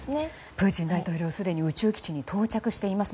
プーチン大統領は、すでに宇宙基地に到着しています。